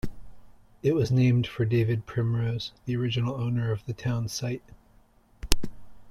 It was named for David Primrose, the original owner of the town site.